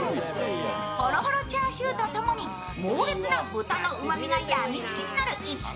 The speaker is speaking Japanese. ほろほろチャーシューとともに、猛烈な豚のうまみがやみつきになる一品。